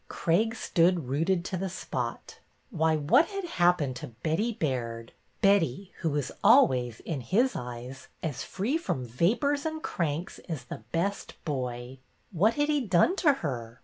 Craig stood rooted to the spot. Why, what had happened to Betty Baird, — Betty, who was always, in his eyes, as free from vapors and cranks as the best boy? What had he done to her?